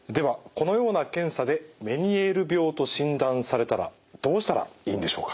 このような検査でメニエール病と診断されたらどうしたらいいんでしょうか？